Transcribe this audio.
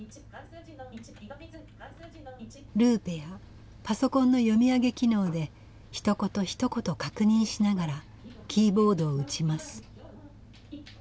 ルーペやパソコンの読み上げ機能でひと言ひと言確認しながらキーボードを打ちます。